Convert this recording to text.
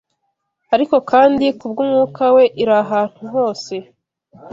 ariko kandi kubw’Umwuka We iri ahantu hose.